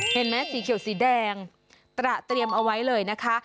เห็นไหมสีเขียวสีแดงตระเตรียมเอาไว้เลยนะคะ